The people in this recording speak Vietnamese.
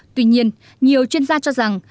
tuy nhiên nhiều chuyên gia cho rằng